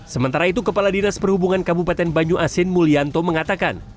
sementara itu kepala dinas perhubungan kabupaten banyuasin mulyanto mengatakan